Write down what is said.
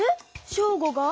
ショーゴが？